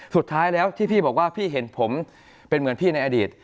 สุดท้ายแล้วที่พี่บอกว่าพี่เห็นผมเป็นเหมือนพี่ในอดีต